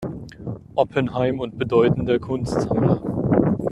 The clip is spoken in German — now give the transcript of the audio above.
Oppenheim und bedeutender Kunstsammler.